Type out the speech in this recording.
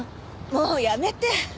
もうやめて！